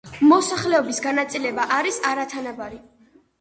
მოსახლეობის განაწილება არის არათანაბარი.